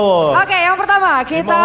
oke yang pertama